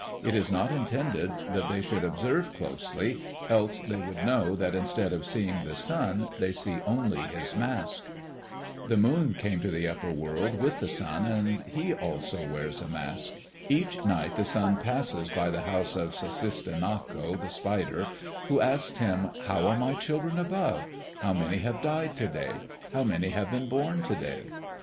It is not intended that they should observe closely, else they would know that instead of seeing the sun they see only his mask. The moon came to the upper world with the sun and he also wears a mask. Each night the sun passes by the house of Sussistinnako, the spider, who asks him, "How are my children above? How many have died to day? How many have been born to day?"